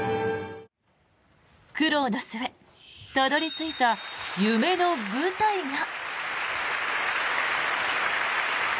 苦労の末、たどり着いた夢の舞台が。